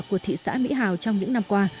của thị xã mỹ hào trong những năm qua